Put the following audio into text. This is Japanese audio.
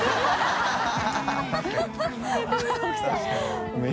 ハハハ